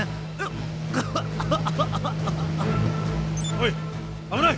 おい危ない！